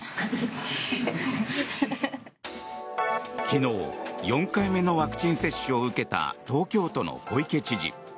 昨日４回目のワクチン接種を受けた東京都の小池知事。